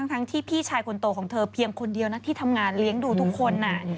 ทั้งที่พี่ชายคนโตของเธอเพียงคนเดียวนะที่ทำงานเลี้ยงดูทุกคน